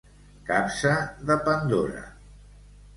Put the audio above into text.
Capsa de Pandora.